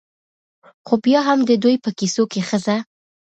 ؛ خو بيا هم د دوى په کيسو کې ښځه